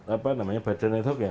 apa namanya badan networknya